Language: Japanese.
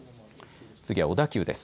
次は小田急です。